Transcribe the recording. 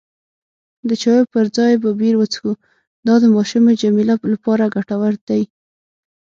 د چایو پر ځای به بیر وڅښو، دا د ماشومې جميله لپاره ګټور دی.